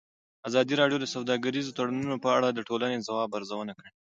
ازادي راډیو د سوداګریز تړونونه په اړه د ټولنې د ځواب ارزونه کړې.